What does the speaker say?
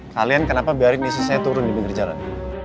kalian kenapa biarin isinya turun di jalan